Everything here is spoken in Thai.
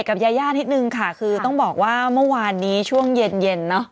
ขึ้นออกแบบว่าวันนี้ช่วงเย็น